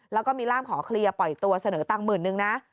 แล้วก็มีร่ามขอเคลียร์ปล่อยตัวเสนอตังหมื่นนึงนะ